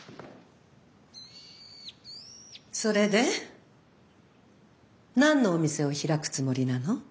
それで何のお店を開くつもりなの？